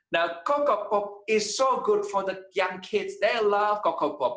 nah coco pop sangat bagus untuk anak muda mereka suka coco pop